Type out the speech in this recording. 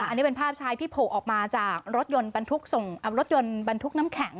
อันนี้เป็นภาพชายที่โผล่ออกมาจากรถยนต์บรรทุกน้ำแข็ง